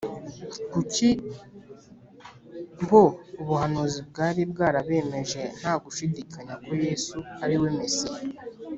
Kuri bo ubuhanuzi bwari bwarabemeje nta gushidikanya ko Yesu ari we Mesiya